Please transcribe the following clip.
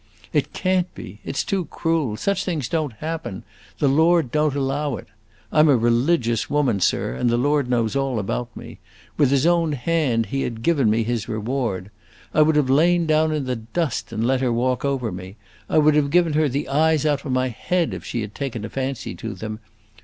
It can't be, it 's too cruel, such things don't happen, the Lord don't allow it. I 'm a religious woman, sir, and the Lord knows all about me. With his own hand he had given me his reward! I would have lain down in the dust and let her walk over me; I would have given her the eyes out of my head, if she had taken a fancy to them.